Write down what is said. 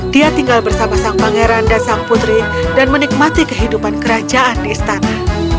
dia tinggal bersama sang pangeran dan sang putri dan menikmati kehidupan kerajaan di istana